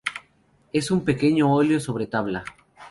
Es un pequeño óleo sobre tabla.